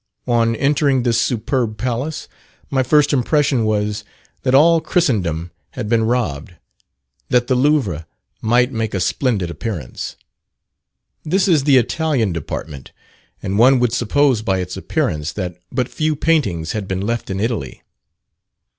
On entering this superb palace, my first impression was, that all Christendom had been robbed, that the Louvre might make a splendid appearance. This is the Italian department, and one would suppose by its appearance that but few paintings had been left in Italy.